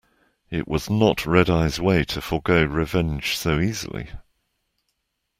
It was not Red-Eye's way to forego revenge so easily.